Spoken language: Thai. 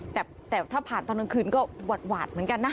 แต่ถ้าผ่านตอนกลางคืนก็หวาดเหมือนกันนะ